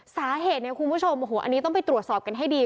สาเหตุเนี่ยคุณผู้ชมโอ้โหอันนี้ต้องไปตรวจสอบกันให้ดี